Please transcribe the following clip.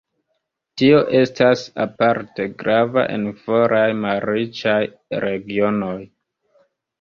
Tio estas aparte grava en foraj malriĉaj regionoj.